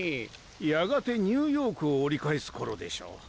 やがてニューヨークを折り返す頃でしょう。